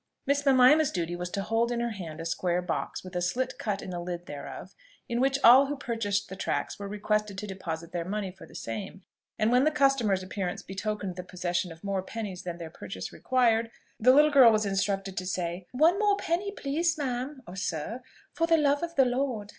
Miss Mimima's duty was to hold in her hand a square box, with a slit cut in the lid thereof, in which all who purchased the tracts were requested to deposit their money for the same; and when the customer's appearance betokened the possession of more pennies than their purchase required, the little girl was instructed to say, "One more penny, please ma'am, (or sir,) for the love of the Lord."